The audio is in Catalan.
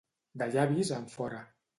De llavis enfora.